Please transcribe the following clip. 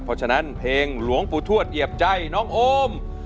เพราะฉะนั้นเพลงหลวงปู่ทวดเหยียบใจน้องโอม